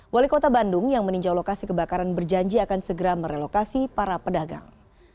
wali kota bandung yang meninjau lokasi kebakaran berjanji akan segera merelokasi para pedagang